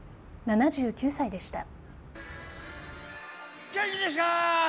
７９歳でした。